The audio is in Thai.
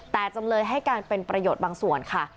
แต่จำเลยให้การเป็นประโยชน์บางส่วนค่ะ